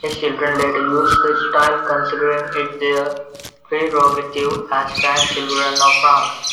His children later used the style, considering it their prerogative as grandchildren of France.